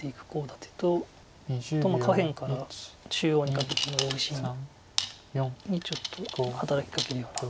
立てと下辺から中央にかけての大石にちょっと働きかけるような。